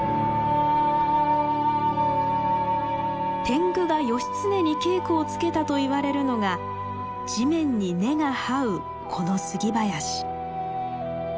天狗が義経に稽古をつけたと言われるのが地面に根がはうこのスギ林。